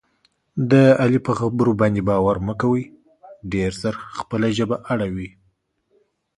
د علي په خبرو باندې باور مه کوئ. ډېر زر خپله ژبه اړوي.